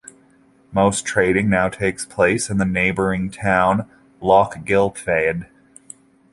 Most trading now takes place in the neighbouring town Lochgilphead.